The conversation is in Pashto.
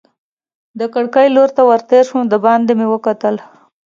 د کړکۍ لور ته ور تېر شوم، دباندې مې وکتل.